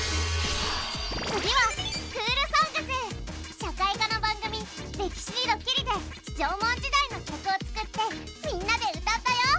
次は社会科の番組「歴史にドキリ」で縄文時代の曲を作ってみんなで歌ったよ。